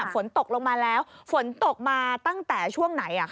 ฝนตกลงมาแล้วฝนตกมาตั้งแต่ช่วงไหน